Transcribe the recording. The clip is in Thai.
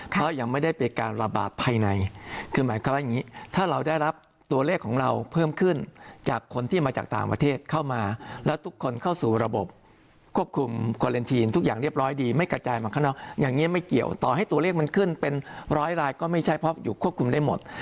เพราะยังไม่ได้เป็นการระบาดภายในคือหมายความว่าอย่างนี้ถ้าเราได้รับตัวเลขของเราเพิ่มขึ้นจากคนที่มาจากต่างประเทศเข้ามาแล้วทุกคนเข้าสู่ระบบควบคุมคอเลนทีนทุกอย่างเรียบร้อยดีไม่กระจายมาข้างนอกอย่างนี้ไม่เกี่ยวต่อให้ตัวเลขมันขึ้นเป็นร้อยรายก็ไม่ใช่เพราะอยู่ควบคุมได้หมด